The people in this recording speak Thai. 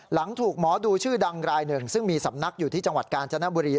หลังถูกหมอดูชื่อดังรายหนึ่งซึ่งมีสำนักอยู่ที่จังหวัดกาญจนบุรี